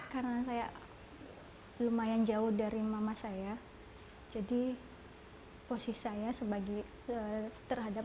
karena saya lumayan jauh dari mama saya jadi posisi saya terhadap